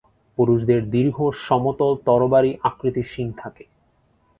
পুরুষদের দীর্ঘ, সমতল, তরবারি আকৃতির শিং থাকে।